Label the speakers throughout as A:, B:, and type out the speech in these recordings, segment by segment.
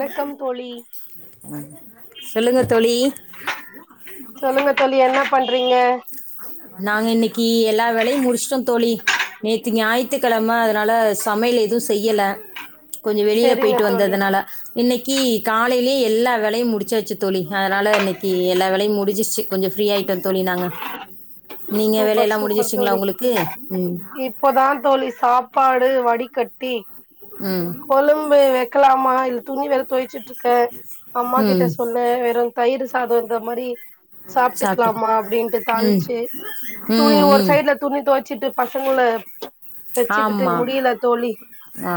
A: வணக்கம் தோழி
B: சொல்லுங்க தோழி
A: சொல்லுங்க தோழி என்ன பண்றீங்க
B: நாங்க இன்னைக்கு எல்லா வேலையும் முடிச்சிட்டோம் தோழி நேத்து ஞாயிற்றுக்கிழம அதனால சமையல் எதுவும் செய்யல கொஞ்ச வெளியில
A: செரிங்க
B: போயிட்டு
A: தோழி
B: வந்ததுனால இன்னைக்கு காலைல யே எல்லா வேலையும் முடிச்சாச்சு தோழி அதனால இன்னைக்கு எல்லா வேலையும் முடிஞ்சிருச்சி கொஞ்சம் ஃப்ரீ ஆயிட்டோம் தோழி நாங்க நீங்க
A: சூப்பர்
B: வேலையெல்லாம்
A: சூப்பர்
B: முடிஞ்சிருச்சுங்களா
A: தோழி
B: உங்களுக்கு ம்
A: இப்பதா தோழி சாப்பாடு வடிகட்டி
B: ம்
A: கொழம்பு வைக்கலாம மா இல் துணி வேற தொவச்சுட்டு இருக்கே அம்மா கிட்ட
B: ம்
A: சொன்ன வெறு தயிர் சாதம் இந்த மாரி
B: சாப்பிட்டு
A: சாப்ட்டுக்கலாமா அப்டின்ட்டு
B: ம்
A: தாளிச்சு துணி
B: ம்
A: ஒரு
B: ம்
A: சைட்ல துணி தொ வச்சிட்டு பசங்கள வச்சுக்கிட்டு
B: ஆமாம்
A: முடியல தோழி
B: ஆ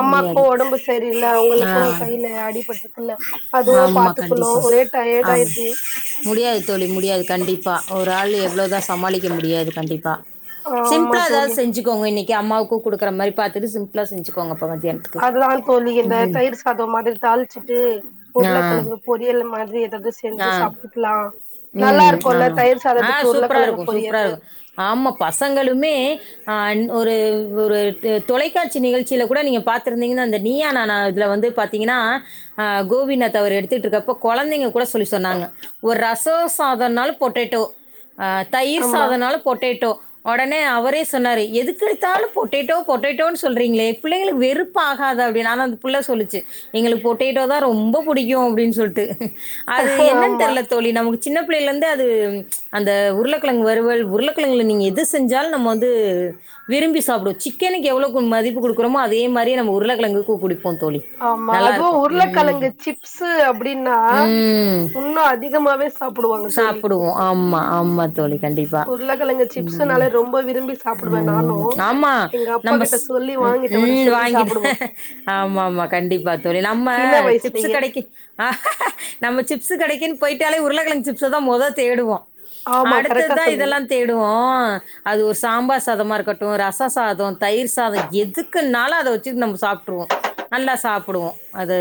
A: அம்மாக்கு
B: முடியாது
A: ஒடம்பு சரியில்ல
B: ஆ
A: அவங்களுக்கு கையில அடிபட்டுருக்குல்ல அதுவு
B: ஆமா
A: பாத்துக்கணு
B: கண்டிப்பா
A: ஒரே
B: ஆம்
A: டயர்டாயிருது
B: முடியாது தோழி முடியாது கண்டிப்பா ஒரு ஆள் எவ்ளோதா ச மாளிக்க முடியாது கண்டிப்பா
A: ஆமா
B: சிம்பிளா ஏதாவது
A: தோழி
B: செஞ்சுக்கோங்க இனிக் கே அம்மாவுக்கு குடுக்குறமாரி பாத் ட்டுக்கு சிம்ப்ளா செஞ்சுக்கோங்க அப்ப மத்தியானத்துக்கு
A: அதுதா தோழி இந்த
B: ம்
A: தயிர் சாதம் மாதிரி தாளிச்சுட்டு
B: ஆ
A: உருளைக்கிழங்கு பொரியல் மாதிரி ஏதாவது செஞ்சு
B: ஆ
A: சாப்டுக்குலாம் நல்லா
B: ம் ஆமா
A: இருக்குல்ல தயிர்
B: ஆ
A: சாதத்துக்கு
B: சூப்பரா
A: உருளைக்கிழங்கு
B: இருக்கும் சூப்பரா
A: பொரியல்லு
B: இருக்கும். ஆன் ஒரு ஒரு டு தொலைக்காட்சி நிகழ்ச்சியில கூட நீங்க பார்த்திருந்தீங்னா அந்த நீயா நானா இதுல வந்து பாத்தீங்கனா ஆ கோபிநாத் அவரு எடுத்துட்டு இருக்கப்ப கொழந்தைங்க கூட சொல்லி சொன்னாங்க ஒரு ரசோம் சாதம்னாலும் பொட்டேட்டோ ஆ தயிர்
A: ஆமா
B: சாதனாலு பொட்டேட்டோ உடனே அவரே சொன்னாரு எதுக்கெடுத்தாலும் பொட்டேட்டோ பொட்டேட்டோனு சொல்றீங்களே பிள்ளைங்களுக்கு வெறுப்பு ஆகாதா அப்படினு ஆனா அந்த புள்ளைக சொல்லுச்சு எங்களுக்கு பொட்டேட்டோ தா ரொம்ப பிடிக்கும் அப்டின்னு சொல்லிட்டு அது என்னன்னு
A: ஆமா
B: தெரில தோழி நமக்கு சின்ன புள்ளேயிலிருந்து அது அந்த உருளைக்கிழங்கு வருவல் உருளைக்கிழங்குல நீங்க எது செஞ்சாலும் நம்ம வந்து விரும்பி சாப்பிட வச்சு சிக்கனுக்கு எவ்ளோக்கு மதிப்பு கொடுக்குறோமோ அதே மாதிரி நம்ம உருளைக்கிழங்குக்கு குடு
A: ஆமா அதுவும் உருளைக்கிழங்கு சிப்ஸு அப்டின்னா
B: ம்.
A: இன்னும் அதிகமாவே சாப்பிடுவாங்க தோழி
B: சாப்பிடுவோம். ஆமா, ஆமா தோழி கண்டிப்பா.
A: உருளைக்கிழங்கு
B: ம்.
A: சிப்ஸ்சுனாலே ரொம்ப விரும்பி சாப்பிடுவேன் நானும் எங்க அப்பா
B: நம்ப
A: கிட்ட
B: ஸ்
A: சொல்லி
B: உம்
A: வாங்கிட்டு வர
B: உம்
A: சொல்லி
B: வாங்கிடு
A: சாப்புடுவோ
B: ஆமா ஆமா கண்டிப்பா தோழி நம்ம
A: சின்ன
B: சிப்சு
A: வயசுலயே
B: கடைக்கு நம்ம சிப்ஸ் கடைக்கு க்கின் போயிட்டாலே உருளகிழங்கு சிப்ஸ் தான் மொதே தேடுவோம்
A: ஆமா கரெக்டா
B: அடுத்ததான்
A: சொன்னீங்க
B: இதெல்லாம் தேடுவோம் அ அது ஒரு சாம்பார் சாதமா இருக்கட்டு ரச சாதோம் தயிர் சாதம் எதுக்குன்னாலும் அதை வச்சு நம்ம சாப்பிட்ருவோம் நல்லா சாப்பிடுவோம்அது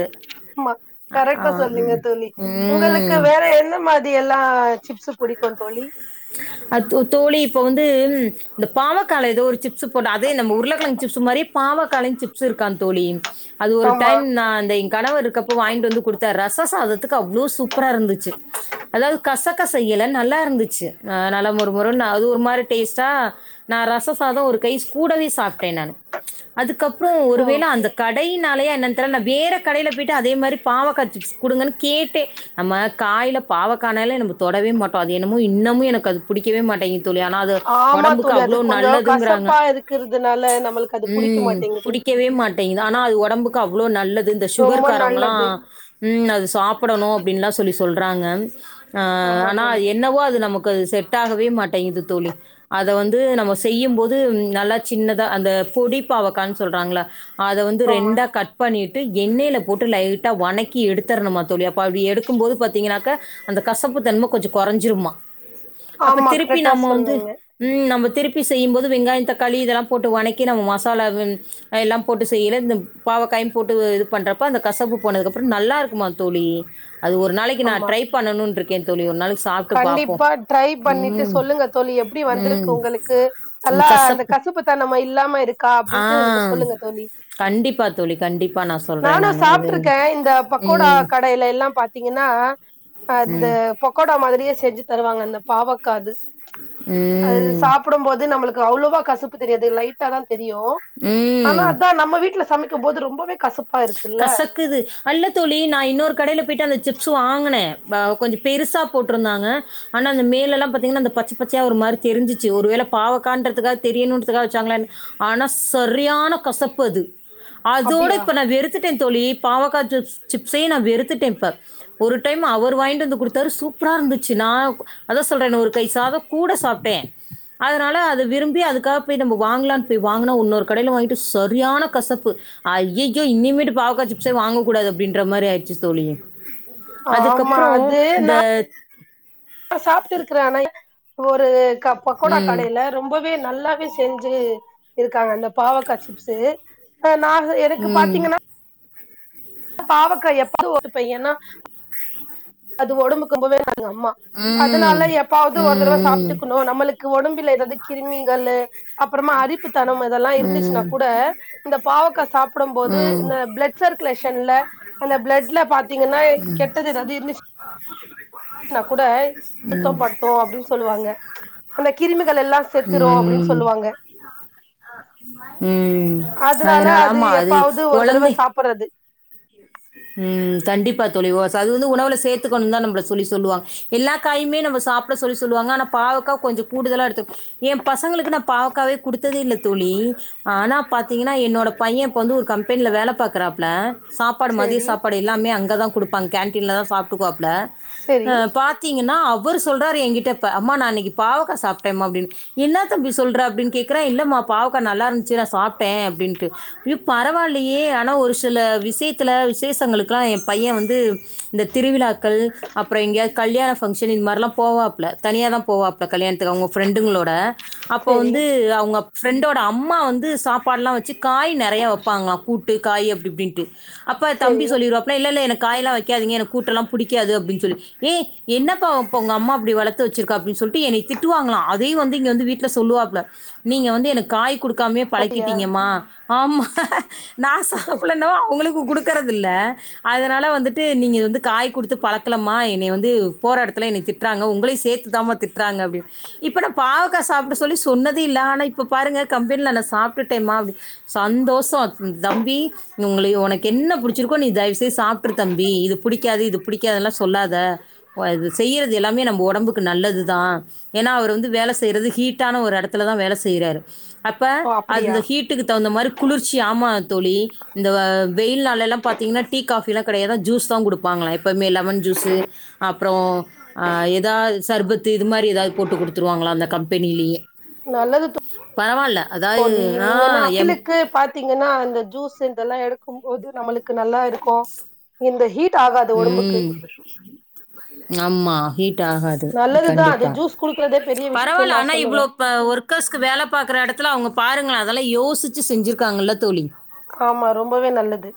A: ஆமா கரெக்டா சொல்லீங்க தோழி உங்களுக்கு வேற என்ன மாதிரி எல்லாம்
B: அத்து தோழி இப்ப வந்து உம் இந்த பாவக்காலே ஏதோ ஒரு சிப்ஸ் போட்ட அதே நம் உருளைக்கிழங்கு சிப்ஸ் மாதிரி பாவக்காலேயும் சிப்ஸ் இருக்கான் தோழி அது ஒரு
A: ஆமா
B: டைம் நா அந்த என் கணவருக்கப்போ வாங்கிட்டு வந்து கொடுத்தே ரச சாதத் துக்கு அவ்ளோ சூப்பரா இருந்துச்சு அதாவது கசப் க்க செய்யல நல்லா இருந்துச்சு அதனால மொரு மொருன்னு அது ஒரு மாதிரி டேஸ்ட்டா நா ரசசாதம் ஒரு கை கூடவே சாப்ட்டேன் நானு அதுக்கப் ப்றோம்
A: ஓ
B: ஒருவேளை அந்த கடையின் நாளேயோ என்னவோ தெரில நா வேற கடையிலே போயிட்டு அதே மாதிரி பாவக்கா சிப்ஸ் குடுங்கனு கேட்டே நம்ம காய்ல பாவக்கானாலே நம்ப தொடவே மாட்டோம் அது என்னமோ இன்னமும் எனக்கு அது புடிக்கவே மாட்டேங்குது தோழி ஆனா அது
A: ஆமா
B: ஒடம்புக்கு
A: தோழி அது
B: அவ்ளோ
A: கொஞ்சோ
B: நல்லதுங்கறாங்க
A: கசப்பா இருக்கிறதுனால நம்மளுக்கு அது புடிக்க
B: உம்
A: மாட்டேங்குது
B: புடிக்கவே மாட்டேங்குது ஆனா அது ஓடம்பு க அவ்ளோ நல்லது இந்த
A: ரொம்ப
B: சுகர் காரவங்களா
A: நல்லது
B: உம் அது சாப்படணும் அப்டின்னுலெல்லாம் சொல்லி சொல்றாங்க ஆ
A: ஆமா
B: ஆனா
A: தோழி
B: என்னவோ அது நமக் செட் ஆகவே மாட்டேங்குது தோழி அத வந்து நம்ம செய்யும்போது நல்லா சின்னதா அந்த பொடிப்பாவக்கான்னு சொல்றாங்கள அத வந்து
A: ஆமா
B: ரெண்டா கட் பண்ணி எண்ணெயில போட்டு லைட்டா வணக்கி எடுத்தறணுமா தோழி எடுக்கும்போது பாத்தீங்கன்னாக்க அந்த கசப்பு தன்மை கொஞ்சம் குறைஞ்சிருமா அப்ப
A: ஆமா
B: திருப்பி
A: கரெக்டா
B: நம்ம வந்து
A: சொன்னீங்க
B: உம் நம்ம திருப்பி செய்யும் போது வெங்காயந் தக்காளி இதலா போட்டு வனக்கி நம்மு மசாலாவுன் அஹ் எல்லாம் போட்டு செய்யில இந்த பாவக்காயும் போட்டு இது பண்றப்ப அந்த கசபு போனதுக்கப்புறன் நல்லா இருக்குமா தோழி அது ஒரு நாளைக்கு நான்
A: ஆமா
B: ட்ரை பண்ணணுன் ட்ருக்கேன் தோழி ஒர் நாளு
A: கண்டிப்பா ட்ரை பண்ணிட்டு சொல்லுங்க தோழி எப்டி வந்திருக்கு
B: ம்
A: உங்களுக்கு
B: ம்,
A: நல்லா அந்த
B: கசப்பு
A: கசுப்புதனமா இல்லாம இருக்கா அப்டின்ட்டு எனக்கு
B: ஆ
A: சொல்லுங்க தோழி
B: கண்டிப்பா தோழி கண்டிப்பா நான் சொல்றேன்
A: நானு
B: நான் அது
A: சாப்ட்ருக்க
B: நீ-
A: இந்த பக்கோடா
B: ம்
A: கடைல எல்லாம் பாத்தீங்கனா அ து
B: ம்
A: பக்கோ தா மாதிரியே செஞ்சு தருவாங்க அந்த பாவக்காது அது
B: ம்
A: சாப்புடும் போது நம்முளுக் கவுளவோ கசப்பு தெரியாது லைட்டா தான் தெரியு ஆனா
B: ம்
A: அதா நம்ம வீட்ல சமை க்க போது ரொம்பவே கசப்பா இருக்குல்ல
B: கசக்குது அல்ல தோழி நா இன்னொரு கடேல பேய்ட்டு அந்த சிப்ஸு வாங்குனே பாவ் கொஞ்சு பெருசா போட்ருந்தாங்க ஆனா அந்த மேலெல்லா பாத்தீங்ன்னா அந்த பச்சு பச்யா ஒரு மாரி தெரிஞ்சிச்சு ஒரு வேள பாவக்காண்றதுக்காக தெரியணுன்ற்துக்காக வச்சாங்களானு ஆனா சரியான கசப்பு அது அதோட
A: அப்டியா
B: எடுத்துட்டேன் தோழி பாவக்கா ஜுஸ் சிப்ஸே நா வெறுத்துட்டேன் இப்ப ஒரு டைம் அவுரு வாய்ன்ட் வந்து குடுத்தாரு சூப்புரா இருந்துச்சு நா அதா சொல்ற இன்னு ஒரு கை சாதோ கூட சாப்ட்டே அதுனால அ து விரும்பி அதுக்கா போய் நம்மு வாங்குலான் பேய் வாங்குனோ உன்னோரு கடேல வாய்ங்ட்டு சரியான கசப்பு ஐயய் யோ இன்னிமேட்டு பாவக்காசிப்சே வாங்க கூடாது அப்டின்ற மாரி ஆய்ச்சு தோழி
A: ஆமா
B: அதுக்கப்புறம்
A: அது
B: இந்த
A: நா அஹ் சாப்டுட்டு இருக்குறானைய ஒரு கா பக்கோடா
B: ம்.
A: கடேல ரொம்பவே நல்லா பி செஞ்சு இருக்காங்க அந்த பாவக்கா சிப்ஸு அ நா க எனக்கு
B: ம்.
A: பாத்தீங்கனா பாவக்கா எப்பது ஒரு பையனா அது ஓடம்புக்கு ரொம்பவே எங்க அம்மா
B: ம்.
A: அதனால எப்பாவ்து ஒரு தடவ
B: ம்.
A: சாப்ட்டுக்குணு நம்மளுக்கு ஒடம்பில்லே எதாவ்து கிருமீங்கள்ளு அப்புறமா அரிப்புத்தனம் இதெல்லா இருந்துச்சுனா
B: ம்.
A: கூட இந்த பாவக்கா சாப்பிடும் போது
B: ம்.
A: இந்த பிளட் சருக்குலேஷ் ஷன்ல அந்த பிளட்ல பாத்தீங்குன்னா ஏய் கெட்டது எதாது இருந்துச் நா கூட சுத்தோ படுத்தூ அப்டின் சொல்லுவாங்க அந்த கிருமிகளல் திரூ அப்படின்
B: ம்.
A: சொல்லுவாங்க
B: ம்.
A: அதுனால
B: அதனால
A: அது
B: ஆமா
A: எப்பாவ்து ஒரு தடவ சாப்புறது
B: உம் கண்டிப்பா தோழி ஓ அது வந்து உணவுல சேர்த்துக்கணும் தான் நம்மள சொல்லி சொல்லுவாங்க எல்லா காயுமே நம்ம சாப்பிட சொல்லி சொல்லுவாங்க ஆனா பாவக்கா கொஞ்சோ கூடுதலா எடுத்து என் பசங்களுக்கு நான் பாவக்காவே குடுத்ததே இல்ல தோழி ஆனா பாத்தீங்கன்னா என்னோட பையன் இப்ப வந்து ஒரு கம்பெனில வேலை பாக்குறாப்புல சா பாடு மதிய
A: சேரி
B: சாப்பாடு எல்லாமே அங்கத கொடுப்பங்க கேன்டீன்லதான் சாப்ட்டுக்வாப்ல
A: சேரி
B: அஹ பாத்தீங்கன்னா அவரு சொல்றாரு என்கிட்ட இப்ப அம்மா நான் இன்னைக்கு பாவக்கா சாப்பிட்டேம்மா அப்டின்னு என்ன தம்பி சொல்ற அப்படின்னு கேக்குறன் இல்லமா பாவக்கா நல்லா இருந்துச்சு நான் சாப்ட்டேன் அப்டின்ட்டு ஐயோ பரவாயில்லையே ஆனா ஒரு சில விஷயத் த்துத்தில விசேஷங்களுக்கலா என் பையன் வந்து இந்த திருவிழாக்கள் அப்புறோ எங்கேயாவது கல்யாண ஃபங்ஷன் இது மாரிலா போவாப்புல தனியா தான் போவாப்பல கல்யாணத்துக்கு அவங்க ஃப்ரெண்டுங்களோட அப்ப
A: சேரி
B: வந்து அவங்க ஃப்ரெண்டோட அம்மா வந்து சாப்பாடுலா வச் சு காய் நெறைய வைப்பாங்களா கூட்டு காய் அப்படிப்படின்ட்டு அப்ப தம்பி
A: சேரி
B: சொல்லிருவாப்பல இல்ல இல்ல எனக் காய்லா வைக்காதீங்க எனக்கு கூட்டலா புடிக்காது அப்டினு சொல்லி ஏய் என்னப்பா இப்ப உங்க அம்மா இப்படி வளத்துவச்சுருக்க அப்டினு சொல்லிட்டு என்ன திட்டுவாங்களா அதையும் வந்து இங்க வந்து வீட்டுல சொல்லுவாப்பிள நீக்க வந்து எனக்கு காய்குடுக் க்காமே
A: அப்டியா
B: பழக்கிட்டீங்கமா ஆம நான் சாப்பிலனவு அவங்களுக்கு குடு இல்ல அதனால வந்துட்டு நீங்க வந்து காய் கொடுத்து பழக்கலமா என்னய வந்து போற எடத்தில்ல என்னய திட்றாங்க உங்கள சேர்த்துதா திட்றாங்கு அப்டினு இப்பனா பாவக்கா சாப்பிட சொல்லி சொன்னதே இல்ல ஆனா இப் இப்ப பாரு கம்பெனில நான் சாப் பிட்டேன்மாது சந்தோஷம் தம்பி உங்களய உனக் க்கு என்ன புடிச்சிருக்கோ நீ தயவுசெயு சாப்பிட்ரு தம்பி இது புடிக்காது இது புிடிக்காதுலா சொல்லாத இது செய்யறது எல்லாமே நம்ம உடம்புக்கு நல்லதுதான் ஏன்னா அவர் வந்து வேல செய்யறது ஹீட்டான ஒரு இடத்துலதான் வேல செய்யறாரு அப்போ
A: ஓ அப்டியா
B: அதுந்த ஹீட்டுக்கு தகுந்த மாரி குளிர்ச்சி ஆமா தோழி இந்த வெயில்நாளல்லா பாத்தீங்கன்னா டீ காஃபிலா கிடையாதான் ஜூஸ் தான் கொடுப்பாங்களா எப்போயுமே லெமன் ஜூஸு அப்புறோ ஏதாவ சர்பத் த்து இது மாரி ஏதாவது போட்டு கொடுத்துருவாங்களா அந்த கம்ப பெண்ணிலேயே
A: நல்லது தோ
B: அதாவது
A: தோழி
B: ஆ
A: நீங்கன்னா
B: எம்
A: அகிலுக்கு பாத்தீங்கன்னா அந்த ஜூஸ் இந்த இதெல்லா எடுக்கும்போது நம்மளுக்கு நல்லா இருக்கும் இந்த ஹீட் ஆகாது ஒடம்புக்கு
B: உஹம் ஆமா ட் ஆகாது
A: நல்லதுதா அது
B: கண்டிப்பா
A: ஜூஸ் குடுக்குறதே பெரிய விஷயம்னு
B: பரவாயில்ல
A: நா
B: ஆனா
A: சொல்லுவே
B: இவ்ளவு ஒர்க்கர்ஸு வேல பார்க்கற இடத்துல அவங்க பாருங்கள அதெல்லா யோசிச்சு செஞ்சிருக்காங்கல தோழி
A: ஆமா ரொம்பவே நல்லது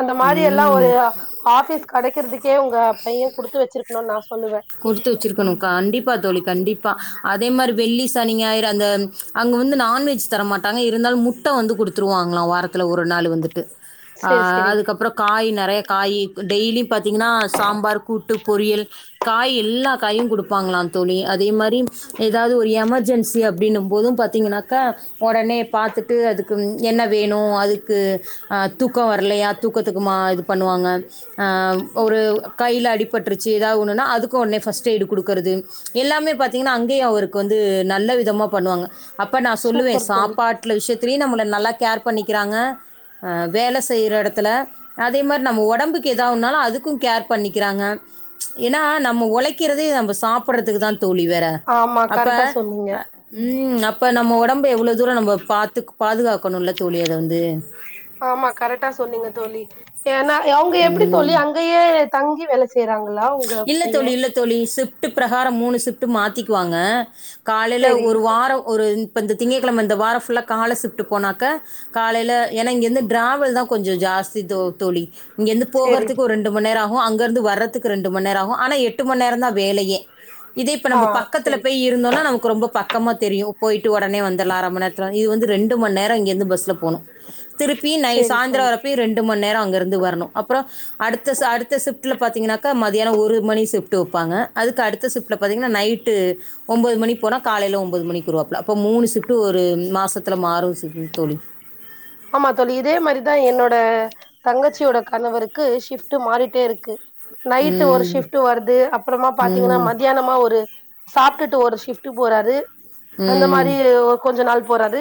A: அந்த மாதிரி எல்லா
B: ம்
A: ஒரு ஆபிஸ் கெடைக்கறதுக்கே உங்க பையன் குடுத்து வச்சிருக்கணுன்னு நான் சொல்லுவே
B: ழி கண்டிப்பா அதே மாதிரி வெள்ளி, சனி, ஞாயரு, அந்த அங்க வந்து நான் வெஜ் தர மாட்டாங்க இருந்தாலு முட்ட வந்து குடுத்துருவாங்களா வாரத்துல ஒரு ஒரு நாள் வந்துட்டு அ
A: செரி செரி
B: அதுக்கப்புறோ கா காய் நறைய காயி கு டெய்லியும் பாத்தீங்கன்னா சாம்பார், கூட்டு, பொறியல், காயி எல்லா காயும் குடுப்பாங்களா தோழி அதே மாரி ஏதாவது ஒரு எமர்ஜென்சி அப்புடின்னு போதும் பாத்தீங்கனாக்கா ஒடனே பாத்துட்டு அதுக்கு என்ன வேணும் அதுக்கு அத் தூக்கோ வரலையா தூக்கத்துக்குமா இது பண்ணுவாங்க ஆ ஒரு கையில அடிபட்டுருச்சு ஏதாவ் ஒண்ணுண்னா அதுக்கு ஒட்னே ஃபர்ஸ்ட் எய்ட் குடுக்கறது, எல்லாமே பாத்தீங்கன்னா அங்கேயே அவருக்கு வந்து நல்ல விதமா பண்ணுவாங்க அப்ப நா சொல்லுவே
A: சூப்பர் தோழி
B: சாப்பாட்ல விஷயத் த்ரீ நம்மல நல்லா கேர் பண்ணிக்கிறாங்க அ வேல செய்ற இடத்துல அதே மார் நம்ப ஒடம்புக்கு எதா ஒன்னாலும் அதுக்கும் கேர் பண்ணிக்கிறாங்க ஏன்னா நம்ம உழைக்கிறதே நம்ம சாப்புட்றதுக்கு தான் தோழி வேற
A: ஆமா
B: அப்ப
A: கரெக்டா சொன்னீங்க
B: அ ம் அப் இப்ப நம்ம உடம்பு எவ்வளவு தூரோ நம்ப பாத்துக் பாதுகாக்கணுல்ல தோழி அத வந்து
A: ஆமா கரெக்டா சொன்னீங்க தோழி ஏன்னா ஏ அவங்க எப்புடி தோழி
B: ம்
A: அங்கயே தங்கி வேல செய்யறாங்களா உங்க
B: இல்ல
A: பைய
B: தோழி இல்ல தோழி சிஃப்டுப் பிரகாரம் மூணு சிஃப்ட் மாத்திக்குவாங்க காலையில
A: செரி
B: ஒரு வாரம் ஒரு ன் இப்ப இந்த திங்கக்கிழமை இந்த வாரம் ஃபுல்லா கால சிஃப்டு போனாக்க காலையில ஏன்னா இங்கிருந்து டிராவல் தா கொஞ்சம் ஜாஸ்தி தோ தோழி இங்கேருந்து
A: செரி
B: போகறதுக்கு ஒரு ரெண்டு மண் நேரம் ஆ கு அங்கருந்து வற்றத் துக்கு ரெண்டு மண் நேரோ ஆகு ஆன எட்டு மண் நேரந்தா வேலையே இதே இப்ப
A: ஆ
B: நம்ப பக்கத்துல
A: செரி
B: போய் இருந்தோன்னா நமக்கு ரொம்ப பக் க்கமா தெரியு போய்ட்டு ஒடனே வந்துர்லா அர மண் நேரத்துல இது வந்து ரெண்டு மண் நேரோ இங்கேருந்து பஸ்ல போணு திருப்பி நை
A: செரி தோழி
B: சாய்ந்துரோ வரப்பயு ரெண்டு மண் நேரம் அங்க இருந்து வரணும் அப்புறோ அடுத்த ச அடுத்த சிஃப்ட்ல பாத்தீங்கன்னா கா மத்தியானோ ஒரு மணி சிஃப்ட் வெப்பாங்க அதுக்கு அடுத்த சிஃப்ட்ல பாத்தீங்கன்னா நைட்டு ஒம்போது மணி போனா காலையில ஒம்போது மணிக்கு வருவாப்ல அப்போ மூணு சிஃப்ட் ஒரு மாசத்துல மாறும் ச ம் தோழி
A: ஆமா தோழி இதே மாரிதா என்னோட தங்கச்சியோட கணவருக்கு ஷிஃப்ட் மாறிட்டே இருக்கு நைட்டு ஒரு
B: ம்
A: ஷிஃப்ட் வருது அப்புறமா பாத்தீங்கன்னா
B: ம்
A: மதியானமா ஒரு சாப்டுட்டு ஒரு ஷிஃப்டு போறாரு அந்த
B: ம்
A: மாரி ஒ கொஞ்ச நாள் போறாறு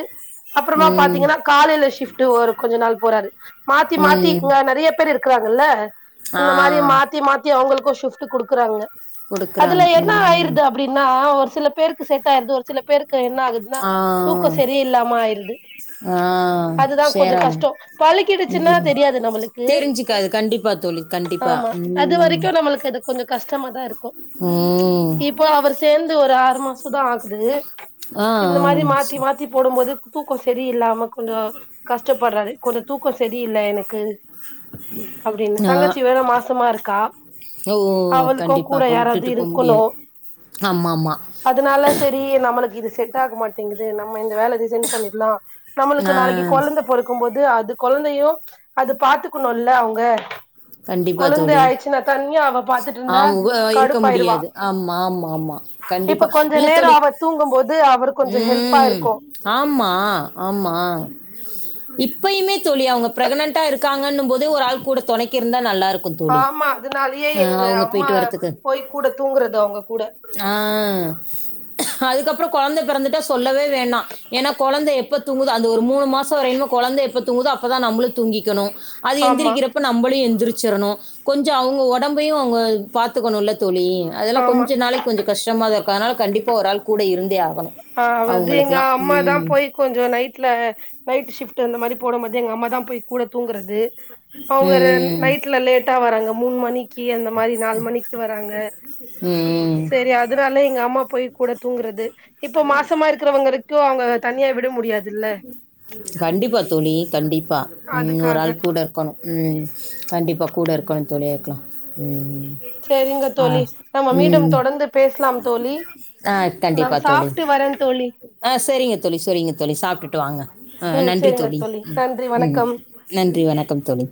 A: அப்புறமா
B: ம்
A: பாத்தீங்கன்னா காலைல ஷி ட்டு ஒரு கொஞ்ச நாள் போறாரு மாத்தி மாத்தி
B: ம்
A: இங்க நறைய பேர் இருக்குறாங்கல்ல
B: ஆ
A: அந்த மாரி மாத்தி மாத்தி அவுங்களுக் கோ ஷிஃப்ட் குடுக்குறாங்க அதுல
B: கொடுக்குறாங்க
A: என்னா
B: ம்
A: ஆயிருது அப்புடினா ஒரு சில பேருக்கு செட் ஆயிருது ஒரு சில பேருக் க்க என்ன ஆகுதுன்னா
B: ஆ
A: தூக்கோ செரி இல்லாம ஆய்ருது
B: ஆ
A: அதுதா கொஞ்சொ
B: சேராது
A: கஷ்டொ பழக்கிடுச்சுனா
B: ம்
A: தெரியாது நம்மளுக்கு
B: தெரிஞ்சுக்காது கண்டிப்பா தோழி கண்டிப்பா
A: ஆமா அது
B: ம்
A: வரைக்கு நம்மளுக்கு அது கொஞ்சோ கஷ்டமா தா இருக்கு
B: ம்
A: இப்ப அவர் சேந்து ஒரு ஆறு மாஸ் சுதா ஆக்குது
B: ஆ
A: இந்த மாரி மாத்தி
B: ஆ
A: மாத்தி போடும்போது தூக்கொ செரி இல்லாம கொஞ்சொ கஷ்டப்பட்றாரு கொஞ்சோ தூக்கோ செரியில்ல எனக்கு அப்டின்னு
B: ஆ.
A: தங்கச்சி வேற மாசமா இருக்கா
B: ஓ
A: அவளுக்கூ
B: கண்டிப்பா
A: கூட
B: அப்ப
A: யாராவ்து
B: விட்டுட்டு போ
A: இருக்குணு
B: முடியாது ஆமா ஆமா
A: அதனால செரி நம்மளுக்கு இது செட் டாக மாட்டிங்குது நம்ம இந்த வேல ரிசைன் பண்ணிட்லா நம்மளுக்கு
B: ஆ
A: நாளக்கி கொழந்த பொறக்கும் போ து அது கொழந்தையு அது பாத்துக்குணுல்ல அவுங்க
B: கண்டிப்பா தோழி
A: அவ பாத்துட்டு இருந்தா
B: ஆம் வ்வ இருக்க
A: கடுப்பாயிருவா
B: முடியாது ஆம் ஆம் ஆமா
A: இப்ப
B: கண்டிப்பா
A: கொஞ்ச
B: இல்ல
A: நேரோ
B: தோழி
A: அவ தூங்கும்போது அவர் கொஞ்சோ ஹெல்ப்பா
B: ம்
A: இருக்கு
B: ஆம்மா ஆம்மா இப்பயுமே தோழி அவுங்க பிரெகனென்ட்டா இருக்கா கன்னும் போதே ஒரு ஆள் கூட தொணை கிருந்தா நல்லாரு
A: ஆம்மா அதுனாலியே எங்க அம்மா
B: போயிட்டு வரத்துக்கு
A: போய் கூட தூங்குறது அவுங்க கூட
B: அ அதுக்கப்புறோ கொழந்த பெறந்துட்டா சொல்லவே வேணா ஏனா கொழந்த எப்ப தூங்குதோ அந்து ஒரு மூணு மாசோ வரைல்மே கொழந்த எப்ப தூங்குதோ அப்ப தா நம்புளு தூங்கிக்கணு அது
A: ஆமா
B: எந்திரிக்கிறப்ப நம்ப எந்திரிச்சிரணு கொஞ்சொ அவுங்க ஒடம்பயு அவுங்க பாத்துக்கணுல்ல தொழி அதெல்லா
A: ஆமா
B: கொஞ்ச நாளைக் கொஞ்ச கஷ்டமாதாருக் க அதுனால கண்டிப்பா ஒரு ஆள் கூட இருந்தே ஆ
A: ஆ வது எங்க அம்மா தா போய் கொஞ்சோ நைட்ல நைட் ஷிப்ட் அந்த மாரி போடம் போது எங்க அம்மா தா கூட தூங்குறது அவுங்க ரன்
B: ம்.
A: நைட்ல லே ட்டா வராங்க மூணு மணி க்கி அந்த மாரி நாலு மணிக்கி வராங்க
B: ம்.
A: செரி அதுனால எங்க அம்மா போய் கூட தூங்குறது இப்ப மாசமா இருக்கிறவங் ட்டரைக்கு அவுங்க தனியா விட முடியாதில்ல
B: கண்டிப்பா தோழி கண்டிப்பா ம் ஒரு
A: அதுக்காக
B: ஆள் கூட இருக்கணு ம் கண்டிப்பா‌ கூட இருக்கணுந் தோழி அதுக்லா ம் ம்
A: செரிங்க
B: ஆ
A: தோழி நம்ம
B: ம்
A: மீண்டும்
B: ம்
A: தொடர்ந்து பேசலாம் தோழி
B: ஆ
A: நா
B: கண்டிப்பா தோழி
A: சாப்ட்டு வரே தோழி
B: ஆ செரிங்க தோழி சொரிங்க தோழி சாப்டுட்டு வாங்க ஆ
A: ம்
B: நன்றி
A: சேரிங்க
B: தோழி ம்
A: நன்றி
B: ம்
A: வணக்கம்
B: நன்றி வணக்கம் தோழி